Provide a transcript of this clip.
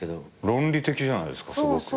論理的じゃないですかすごく。